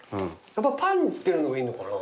やっぱパンに付けるのがいいのかな？